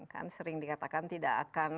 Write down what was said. kan sering dikatakan